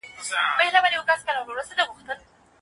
پر علم د پوهېدو لپاره د عربي کتابونو لوستل کافي نه دي.